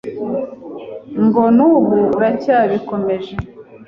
ngo n’ubu aracyabikomeje